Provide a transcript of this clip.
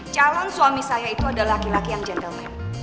calon suami saya itu ada laki laki yang gentleman